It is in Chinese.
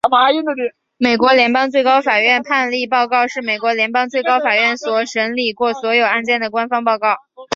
美国联邦最高法院判例报告是美国联邦最高法院所审理过所有案件的官方报告。